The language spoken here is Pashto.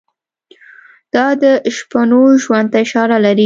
دا د شپنو ژوند ته اشاره لري.